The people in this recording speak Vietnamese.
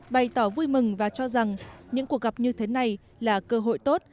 bày tỏ vui mừng và cho rằng những cuộc gặp như thế này là cơ hội tốt